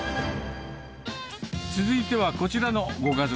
続いては、こちらのご家族。